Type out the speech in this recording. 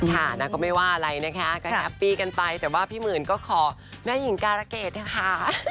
นางก็ไม่ว่าอะไรนะคะก็แฮปปี้กันไปแต่ว่าพี่หมื่นก็ขอแม่หญิงการะเกดนะคะ